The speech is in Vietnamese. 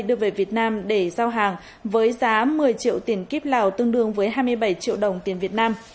đưa về việt nam để giao hàng với giá một mươi triệu tiền kiếp lào tương đương với hai mươi bảy triệu đồng tiền việt nam